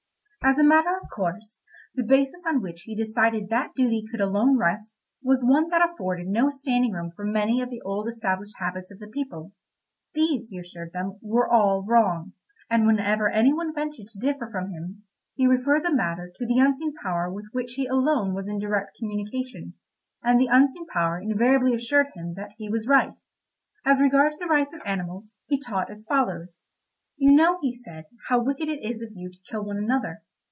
As a matter of course, the basis on which he decided that duty could alone rest was one that afforded no standing room for many of the old established habits of the people. These, he assured them, were all wrong, and whenever any one ventured to differ from him, he referred the matter to the unseen power with which he alone was in direct communication, and the unseen power invariably assured him that he was right. As regards the rights of animals he taught as follows: "You know, he said, "how wicked it is of you to kill one another.